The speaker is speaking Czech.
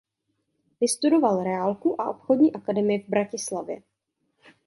Vystudoval reálku a obchodní akademii v Bratislavě.